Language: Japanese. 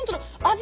味